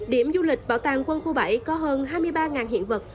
điểm du lịch bảo tàng quân khu bảy có hơn hai mươi ba hiện vật